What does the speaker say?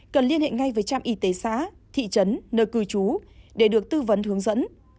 cần liên hệ ngay với trạm y tế xã thị trấn nơi cư trú để được tư vấn hướng dẫn